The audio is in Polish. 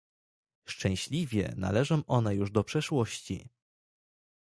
Szczęśliwie należą one już do przeszłości